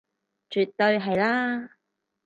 絕對係啦